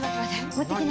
持っていきな。